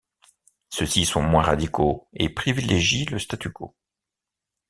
Ceux-ci sont moins radicaux et privilégie le statu quo.